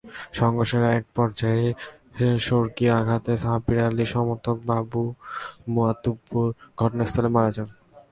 সংঘর্ষের একপর্যায়ে সড়কির আঘাতে সাব্বির আলীর সমর্থক বাবু মাতুব্বর ঘটনাস্থলেই মারা যান।